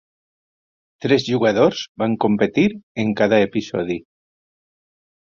Tres jugadors van competir en cada episodi.